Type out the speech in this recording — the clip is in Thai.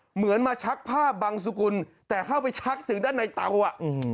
เหมือนมาชักผ้าบังสุกุลแต่เข้าไปชักถึงด้านในเตาอ่ะอืม